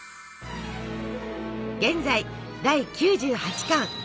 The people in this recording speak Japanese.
現在第９８巻。